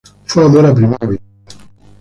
Fue amor a primera vista.